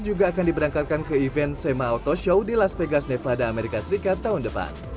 juga akan diberangkatkan ke event sema auto show di las vegas nevada amerika serikat tahun depan